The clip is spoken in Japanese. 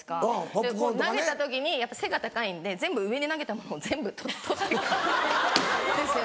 で投げた時にやっぱ背が高いんで全部上に投げたものを全部取ってくんですよ。